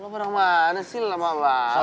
lo barang mana sih lelah bapak